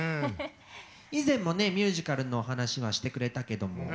以前もねミュージカルのお話はしてくれたけども。